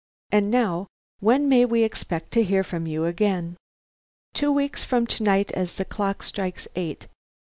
"And now, when may we expect to hear from you again?" "Two weeks from to night as the clock strikes eight.